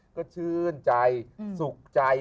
ก็ชื่นใจสุขใจ